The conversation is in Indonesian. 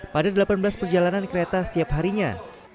pada delapan belas perjalanan kereta setiap harinya